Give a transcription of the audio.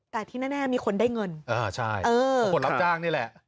แต่ที่แน่มีคนได้เงินคนรับจ้างนี่แหละ